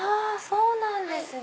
そうなんですね！